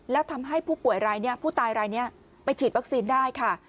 แล้วทำให้ผู้ป่วยรายนี้ผู้ตายรายนี้ไปฉีดวัคซีนได้ค่ะ